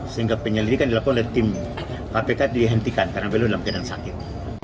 sehingga penyelidikan dilakukan oleh tim kpk dihentikan karena beliau dalam keadaan sakit